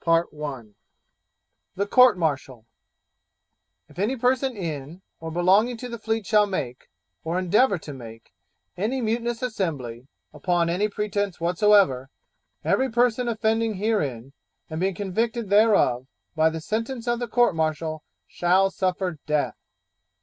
CHAPTER VI THE COURT MARTIAL If any person in or belonging to the fleet shall make, or endeavour to make, any mutinous assembly, upon any pretence whatsoever, every person offending herein, and being convicted thereof, by the sentence of the Court martial, shall suffer DEATH.